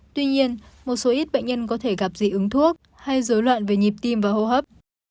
tuy nhiên một số ít bệnh nhân có thể gặp gì uống thuốc hay dối loạn về nhịp tim và hô hấp